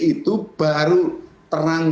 itu baru terang